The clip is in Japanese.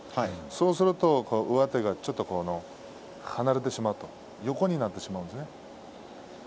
そうすると上手がちょっと離れてしまって横になるんですね。